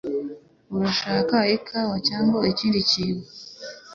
Urashaka ikawa cyangwa ikindi kintu?